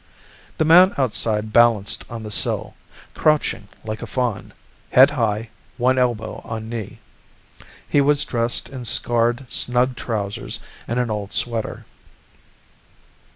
The man outside balanced on the sill, crouching like a faun, head high, one elbow on knee. He was dressed in scarred, snug trousers and an old sweater.